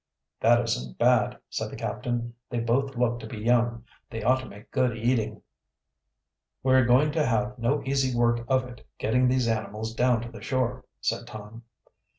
"That isn't bad," said the captain. "They both look to be young. They ought to make good eating." "We are going to have no easy work of it, getting these animals down to the shore," said Tom.